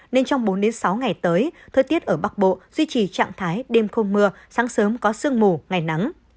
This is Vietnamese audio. nên trong bốn sáu ngày tới thời tiết ở bắc bộ duy trì trạng thái đêm không mưa sáng sớm có sương mù ngày nắng